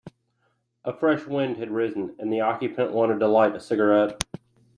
A fresh wind had risen, and the occupant wanted to light a cigarette.